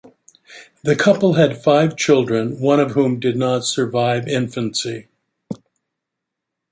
The couple had five children, one of whom did not survive infancy.